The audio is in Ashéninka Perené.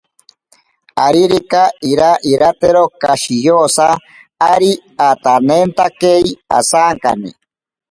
Aririka iira iratero kashiyosa ari atanentakei asankane.